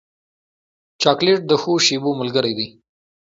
چاکلېټ د ښو شېبو ملګری دی.